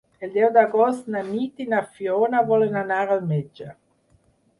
El deu d'agost na Nit i na Fiona volen anar al metge.